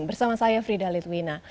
bersama saya frida litwina